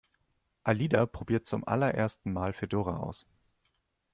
Alida probiert zum allerersten Mal Fedora aus.